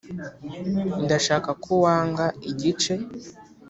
ndashaka ko wanga igice